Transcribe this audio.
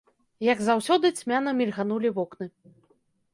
Як заўсёды, цьмяна мільганулі вокны.